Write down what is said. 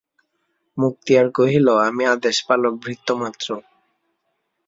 মুক্তিয়ার কহিল, আমি আদেশপালক ভৃত্য মাত্র।